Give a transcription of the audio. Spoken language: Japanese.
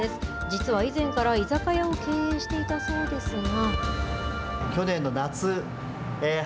実は以前から居酒屋を経営していたそうですが。